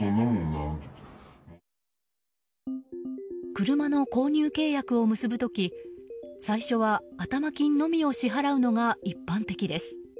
車の購入契約を結ぶ時最初は頭金のみを支払うのが一般的です。